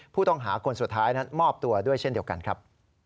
ผู้ต้องหาคนสุดท้ายนั้นมอบตัวด้วยเช่นเดียวกันครับ